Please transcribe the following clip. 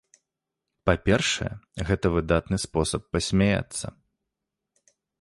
Па-першае, гэта выдатны спосаб пасмяяцца.